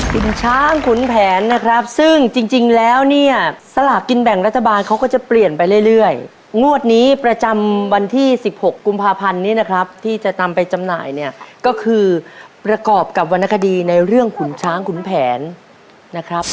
คุณช้างขุนแผนนะครับซึ่งจริงแล้วเนี่ยสลากกินแบ่งรัฐบาลเขาก็จะเปลี่ยนไปเรื่อยงวดนี้ประจำวันที่๑๖กุมภาพันธ์นี้นะครับที่จะนำไปจำหน่ายเนี่ยก็คือประกอบกับวรรณคดีในเรื่องขุนช้างขุนแผนนะครับ